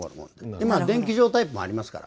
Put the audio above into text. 今、電気錠タイプのものもありますから。